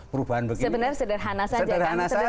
perubahan sebenarnya sederhana saja kan